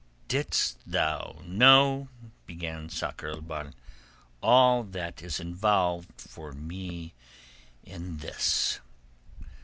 '" "Didst thou know," began Sakr el Bahr, "all that is involved for me in this...."